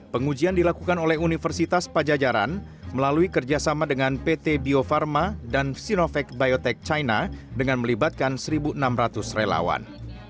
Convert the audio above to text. pengujian dilakukan oleh universitas pajajaran melalui kerjasama dengan pt bio farma dan sinovac biotech china dengan melibatkan satu enam ratus relawan